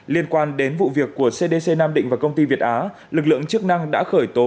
liên quan đến vụ việc của cdc nam định và công ty việt á lực lượng chức năng đã khởi tố